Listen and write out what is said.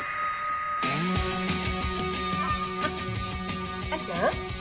あっあっちゃん？